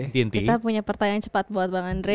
kita punya pertanyaan cepat buat bang andre